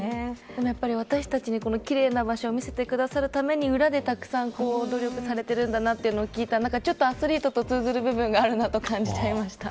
でもやっぱり私たちに奇麗な場所を見せてくださるために裏でたくさん努力されてるんだなというのを聞いたらアスリートと通ずる部分があるなと感じてしまいました。